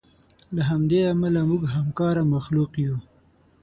له همدې امله موږ همکاره مخلوق یو.